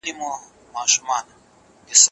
که میوزیم وي نو تاریخ نه ورکیږي.